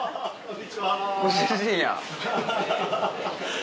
ご主人や。